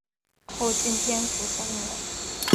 后晋天福三年。